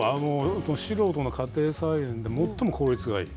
素人の家庭菜園で最も効率がいい。